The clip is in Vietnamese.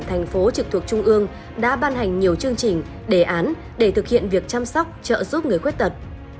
thành phố trực thuộc trung ương đã ban hành nhiều chương trình đề án để thực hiện việc chăm sóc trợ giúp người khuyết tật